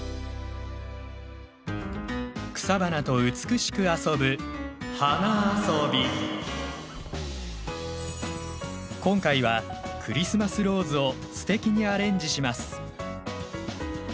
草花と美しく遊ぶ今回はクリスマスローズをすてきにアレンジします。